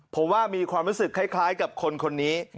ผมว่ามีความรู้สึกคล้ายกับคนคนนี้